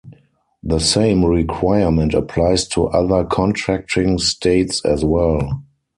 The same requirement applies to other contracting states as well.